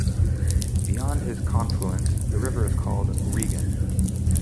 Beyond this confluence, the river is called Regen.